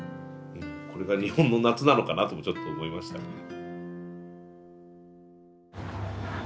これが日本の夏なのかなともちょっと思いましたね。